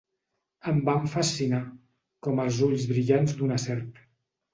Em van fascinar, com els ulls brillants d'una serp.